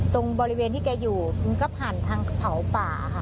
ตรงบริเวณที่แกอยู่มันก็ผ่านทางเผาป่าค่ะ